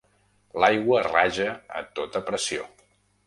L'aigua raja a tota pressió.